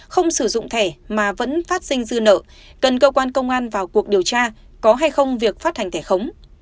không sử dụng thẻ mà vẫn phát sinh dư nợ cần cơ quan công an vào cuộc điều tra có hay không việc phát hành thẻ khống